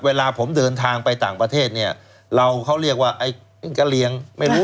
เวลาผมเดินทางไปต่างประเทศเนี่ยเราเขาเรียกว่าไอ้งกะเรียงไม่รู้